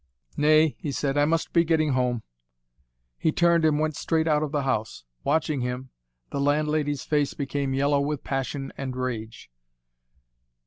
"Nay," he said, "I must be getting home." He turned and went straight out of the house. Watching him, the landlady's face became yellow with passion and rage.